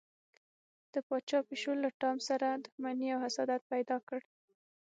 د پاچا پیشو له ټام سره دښمني او حسادت پیدا کړ.